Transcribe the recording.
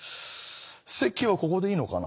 席はここでいいのかな？